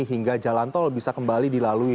hingga jalan tol bisa kembali dilalui